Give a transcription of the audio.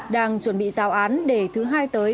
đang chuẩn bị giáo án để thứ hai tới